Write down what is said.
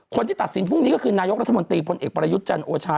คนที่ตัดสินพรุ่งนี้ก็คือนายกรัฐมนตรีพลเอกประยุทธ์จันทร์โอชา